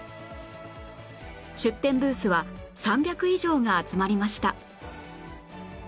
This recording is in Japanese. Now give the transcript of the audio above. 出展ブースは３００以上が集まりました